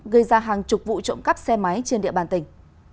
gây ra hàng chục vụ trộm cắp xe máy trên địa bàn tỉnh